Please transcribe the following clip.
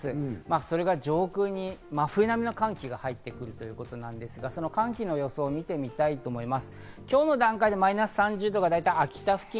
それが上空に真冬並みの寒気が入ってくるということなんですが、その寒気の予想を見てみたいと思います。